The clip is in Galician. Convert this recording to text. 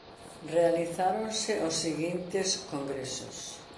Realizáronse os seguintes Congresos